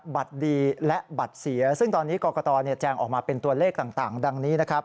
บัตรดีและบัตรเสียซึ่งตอนนี้กรกตแจงออกมาเป็นตัวเลขต่างดังนี้นะครับ